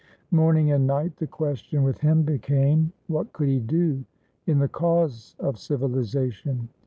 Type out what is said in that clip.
Morning and night, the question with him became, what could he do in the cause of civilisation?